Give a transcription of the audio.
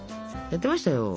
やってましたよ。